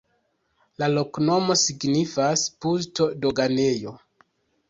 La loknomo signifas: pusto-doganejo.